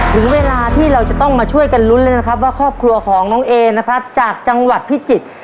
ถึงเวลาที่เราจะต้องมาช่วยกันลุ้นเลยนะครับว่าครอบครัวของน้องเอนะครับจากจังหวัดพิจิตร